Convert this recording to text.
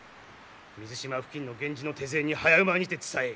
水島付近の源氏の手勢に早馬にて伝えい。